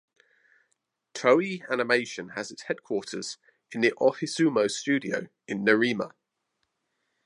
Toei Animation has its headquarters in the Ohizumi Studio in Nerima.